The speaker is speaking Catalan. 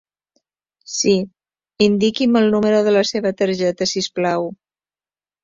Sí, indiqui'm el número de la seva targeta si us plau.